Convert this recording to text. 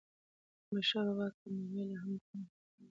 د احمدشاه بابا کارنامي لا هم د تاریخ په پاڼو کي ژوندۍ دي.